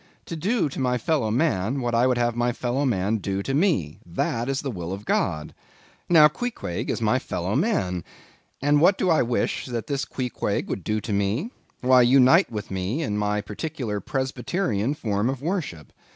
—to do to my fellow man what I would have my fellow man to do to me—that is the will of God. Now, Queequeg is my fellow man. And what do I wish that this Queequeg would do to me? Why, unite with me in my particular Presbyterian form of worship.